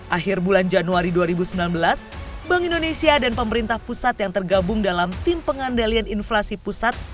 akhir bulan januari dua ribu sembilan belas bank indonesia dan pemerintah pusat yang tergabung dalam tim pengandalian inflasi pusat